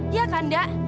iya kan da